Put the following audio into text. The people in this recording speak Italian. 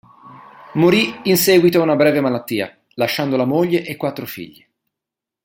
Morì in seguito a una breve malattia, lasciando la moglie e quattro figli.